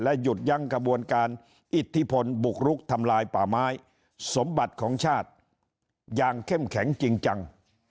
หยุดยั้งกระบวนการอิทธิพลบุกรุกทำลายป่าไม้สมบัติของชาติอย่างเข้มแข็งจริงจัง